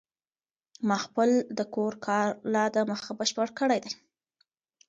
ما خپل د کور کار لا د مخه بشپړ کړی دی.